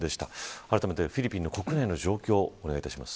あらためてフィリピンの国内の状況をお願いします。